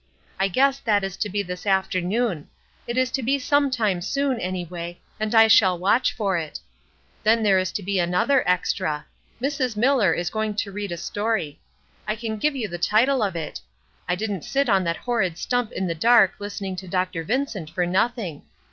I guess that is to be this afternoon; it is to be some time soon, anyway, and I shall watch for it. Then there is to be another extra. Mrs. Miller is going to read a story. I can give you the title of it. I didn't sit on that horrid stump in the dark listening to Dr. Vincent for nothing.